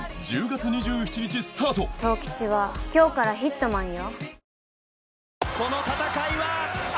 十吉は今日からヒットマンよ。